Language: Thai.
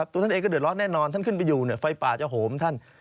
ตัวท่านเองก็เดือดร้อนแน่นอนท่านขึ้นไปอยู่ไฟป่าจะโหมท่าน